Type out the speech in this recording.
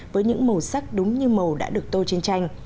với những màu sắc đúng như màu đã được tô chiến tranh